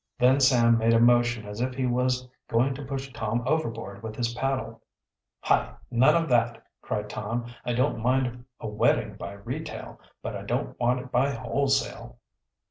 Then Sam made a motion as if he was going to push Tom overboard with his paddle. "Hi! none of that!" cried Tom. "I don't mind a wetting by retail, but I don't want it by wholesale."